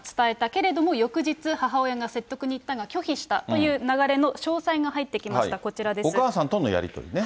けれども、翌日、母親が説得に行ったが、拒否したという流れの詳細が入ってきました、こちらお母さんとのやり取りね。